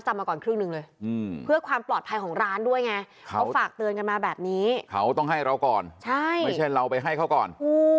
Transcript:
เจ๊ฟรุนหนูขอบใจว่ามากก็ให้เราก่อนไม่ใช่เราไปให้เขาก่อน